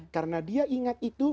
karena dia ingat itu